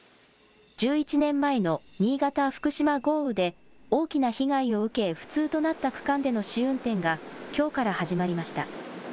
１１年前の新潟・福島豪雨で大きな被害を受け不通となった区間での試運転がきょうから始まりました。